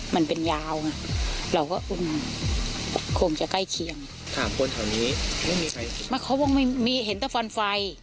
เขาบอกว่าเห็นแต่ฟันไฟ